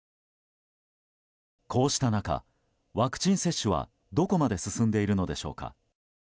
こうした中、ワクチン接種はどこまで進んでいるのでしょうか。